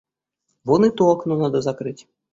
Вон и то окно надо закрыть.